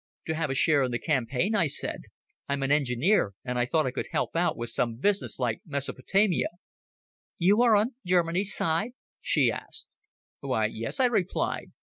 "To have a share in the campaign," I said. "I'm an engineer, and I thought I could help out with some business like Mesopotamia." "You are on Germany's side?" she asked. "Why, yes," I replied.